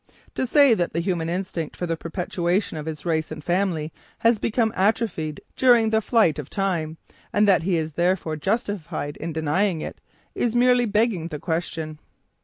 To say that the human instinct for the perpetuation of his race and family has become atrophied during the flight of time, and that he is therefore justified in denying it, is merely begging the question.